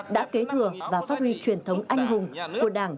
đã kế thừa và phát huy truyền thống anh hùng của đảng